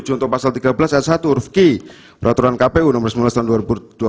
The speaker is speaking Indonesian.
juntuh pasal tiga belas s satu huruf ki peraturan kpu no sembilan belas tahun dua ribu dua puluh tiga